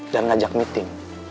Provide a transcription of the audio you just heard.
dan ngajak meeting